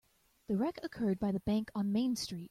The wreck occurred by the bank on Main Street.